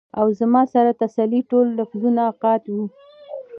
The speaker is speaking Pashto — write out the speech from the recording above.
او زما سره د تسلۍ ټول لفظونه قات وو ـ